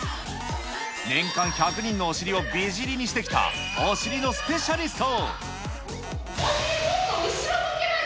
年間１００人のお尻を美尻にしてきたお尻のスペシャリスト。